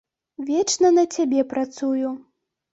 Вечна на цябе працую.